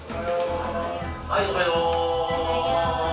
はいおはよう。